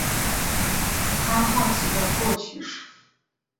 他好奇的过去